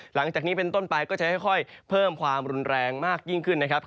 หลังจากนี้เป็นต้นไปก็จะค่อยเพิ่มความรุนแรงมากยิ่งขึ้นนะครับ